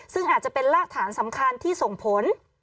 ซึ่งอาจจะเป็นรากฐานสำคัญที่ส่งผล